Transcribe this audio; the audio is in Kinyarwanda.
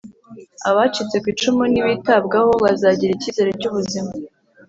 Abacitse ku icumu nibitabwaho bazagira icyizere cy’ubuzima